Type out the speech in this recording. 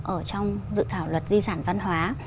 ở trong dự thảo luật di sản văn hóa